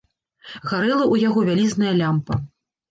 Гарэла ў яго вялізная лямпа.